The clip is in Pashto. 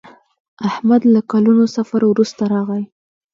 احمد له کلونو سفر وروسته راغی.